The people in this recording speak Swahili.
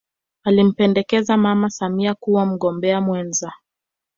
alimpendekeza mama samia kuwa mgombea mwenza